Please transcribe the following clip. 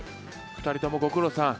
２人ともご苦労さん。